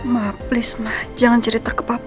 ma please ma jangan cerita ke papa